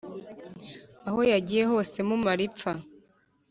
aho yagiye hose mumare ipfa